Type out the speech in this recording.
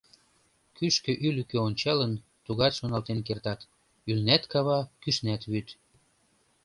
Кӱшкӧ-ӱлыкӧ ончалын, тугат шоналтен кертат: ӱлнат — кава, кӱшнат — вӱд.